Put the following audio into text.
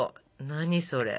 何それ？